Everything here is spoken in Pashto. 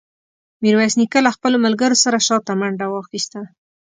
میرویس نیکه له خپلو ملګرو سره شاته منډه واخیسته.